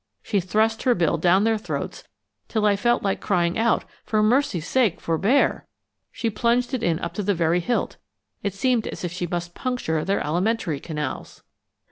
She thrust her bill down their throats till I felt like crying out, "For mercy's sake, forbear!" She plunged it in up to the very hilt; it seemed as if she must puncture their alimentary canals.